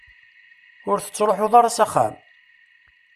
Ur tettruḥuḍ ara s axxam?